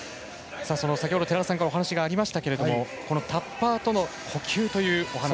先ほど寺田雅裕さんからお話がありましたけれどもタッパーとの呼吸というお話。